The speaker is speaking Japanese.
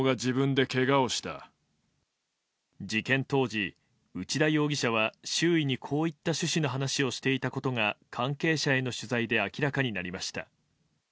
事件当時、内田容疑者は周囲にこういった趣旨の話をしていたことが関係者への取材で明らかになりました。